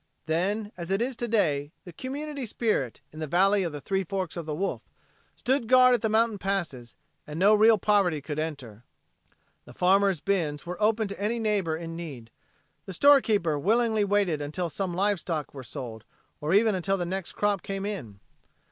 Then, as it is today, the community spirit in the "Valley of the Three Forks o' the Wolf" stood guard at the mountain passes and no real poverty could enter. The farmers' bins were open to any neighbor in need. The storekeeper willingly waited until some livestock were sold, or even until the next crop came in.